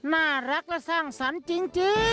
น่ารักและสร้างสรรค์จริง